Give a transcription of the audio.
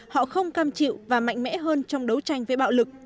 họ không cam chịu và mạnh mẽ hơn trong đấu tranh với bạo lực